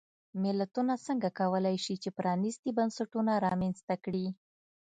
ملتونه څنګه کولای شي چې پرانیستي بنسټونه رامنځته کړي.